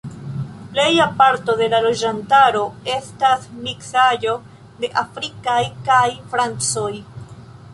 Pleja parto de la loĝantaro estas miksaĵo de afrikaj kaj francoj.